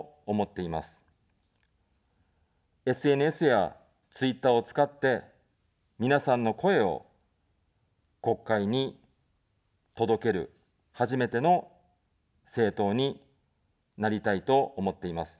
ＳＮＳやツイッターを使って、皆さんの声を国会に届ける初めての政党になりたいと思っています。